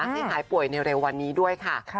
ให้หายป่วยในเร็ววันนี้ด้วยค่ะ